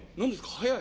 早い」。